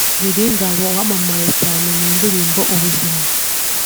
Lil Ngabo wamamaye cyane mu ndirimbo ‘Ubuzima’